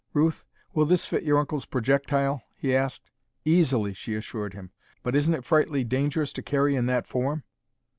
"Ruth, will this fit your Uncle's projectile?" he asked. "Easily," she assured him. "But isn't it frightfully dangerous to carry in that form?"